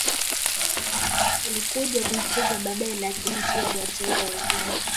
Alikuja kumfukuza badae lakini pia aliwateua wazungu